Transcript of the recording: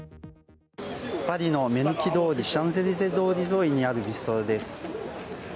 パリの目抜き通り、シャンゼリゼ通り沿いにあるビストロです。